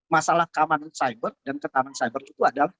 masalah keamanan siber dan keamanan siber itu adalah